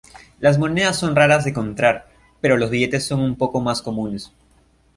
Las monedas son raras de encontrar, pero los billetes son un poco más comunes.